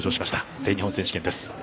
全日本選手権です。